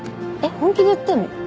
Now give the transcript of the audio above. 本気で言ってんの？